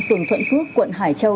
phường thuận phước quận hải châu